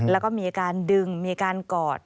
แล้วก็มีการดึงมีการกอด